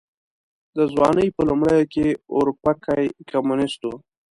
د ځوانۍ په لومړيو کې اورپکی کمونيسټ و.